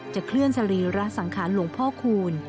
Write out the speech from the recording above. เคลื่อนสรีระสังขารหลวงพ่อคูณ